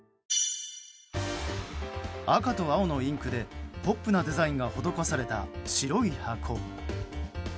赤と青のインクでポップなデザインが施された白い箱。